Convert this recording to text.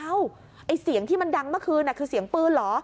ไอ้เสียงที่มันดังเมื่อคืนคือเสียงปืนเหรอ